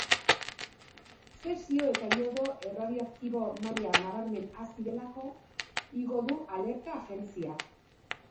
Zesio eta iodo erradioaktibo maila nabarmen hazi delako igo du alerta agentziak.